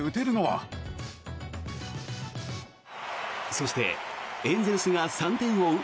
そしてエンゼルスが３点を追う